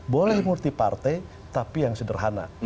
boleh multi partai tapi yang sederhana